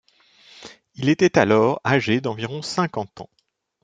Il était alors âgé d'environ cinquante ans.